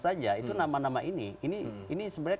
saja itu nama nama ini ini sebenarnya